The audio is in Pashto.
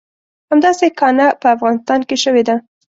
همداسې کانه په افغانستان کې شوې ده.